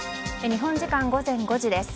日本時間午前５時です。